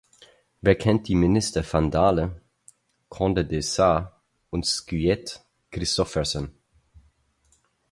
Wer kennt die Minister Van Dale, Conde de Sa- und Skytte Christoffersen?